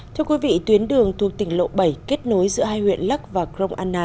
thưa quý vị tuyến đường thuộc tỉnh lộ bảy kết nối giữa hai huyện lắc và grong anna